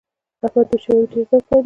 احمد د وچې مېوې ډېر ذوق لري.